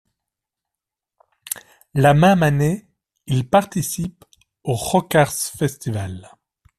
La même année, ils participent au Rockharz-Festival.